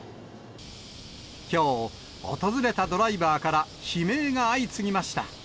きょう、訪れたドライバーから悲鳴が相次ぎました。